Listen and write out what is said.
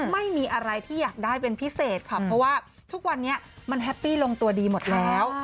ไม่มีอะไรที่อยากได้เป็นพิเศษค่ะเพราะว่าทุกวันนี้มันแฮปปี้ลงตัวดีหมดแล้ว